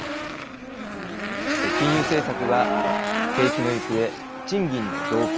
金融政策は景気の行方賃金の動向